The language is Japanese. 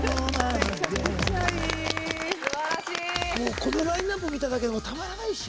このラインナップ見ただけでもたまらないでしょ。